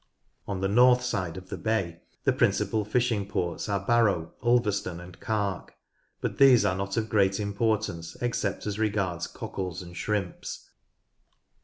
On the north side of the bay the principal fishing ports are Barrow, Ulverston, and Carle, but these are not of great importance except as regards cockles and shrimps.